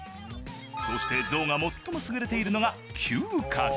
そしてゾウが最も優れているのが、嗅覚。